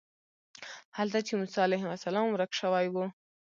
هلته چې موسی علیه السلام ورک شوی و.